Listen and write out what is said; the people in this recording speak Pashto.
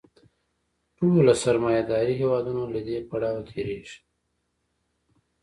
ټول سرمایه داري هېوادونه له دې پړاو تېرېږي